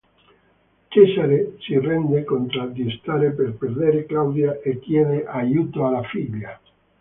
Cesare si rende conto di stare per perdere Claudia e chiede aiuto alla figlia.